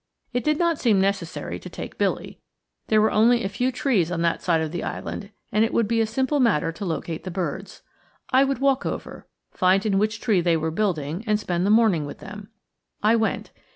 It did not seem necessary to take Billy. There were only a few trees on that side of the island, and it would be a simple matter to locate the birds. I would walk over, find in which tree they were building, and spend the morning with them. I went.